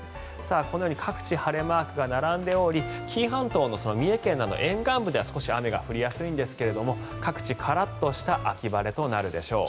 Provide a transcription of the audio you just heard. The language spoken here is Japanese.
このように各地、晴れマークが並んでおり紀伊半島の三重県など沿岸部では少し雨が降りやすいんですが各地カラッとした秋晴れとなるでしょう。